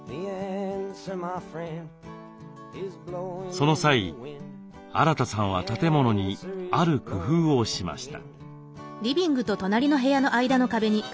その際アラタさんは建物にある工夫をしました。